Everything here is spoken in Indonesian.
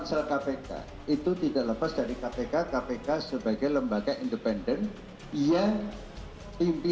selintutan itu bahasa perancis